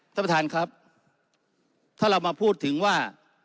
ท่านประธานครับถ้าเรามาพูดถึงว่า